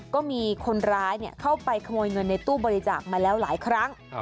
ก็มีคนร้ายเข้าไปขโมยเงินในตู้บริจาคมาแล้วหลายครั้ง